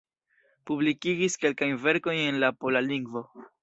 Publikigis kelkajn verkojn en la pola lingvo.